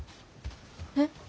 えっ？